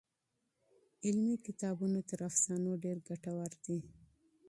علمي کتابونه تر افسانو ډېر ګټور دي.